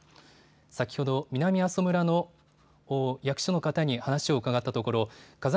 先ほど南阿蘇村の役所の方に話を伺ったところ火山